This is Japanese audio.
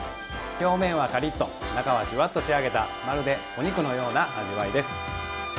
表面はカリッと中はジュワッと仕上げたまるでお肉のような味わいです。